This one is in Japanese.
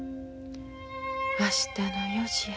明日の４時や。